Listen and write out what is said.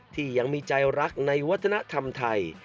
ที่ยังมีใจรักในวัฒนธรรมไทย